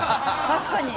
確かに。